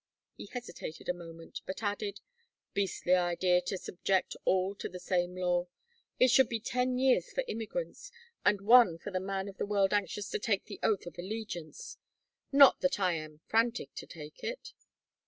He hesitated a moment, but added: "Beastly idea to subject all to the same law. It should be ten years for immigrants, and one for the man of the world anxious to take the oath of allegiance not that I am frantic to take it."